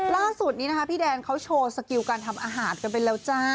ล่าสุดนี้นะคะพี่แดนเขาโชว์สกิลการทำอาหารกันไปแล้วจ้า